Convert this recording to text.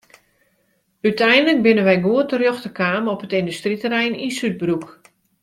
Uteinlik binne wy goed terjochte kaam op it yndustryterrein yn Súdbroek.